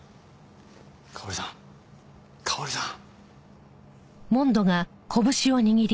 香織さん香織さん！